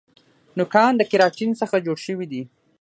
نوکان د کیراټین څخه جوړ شوي دي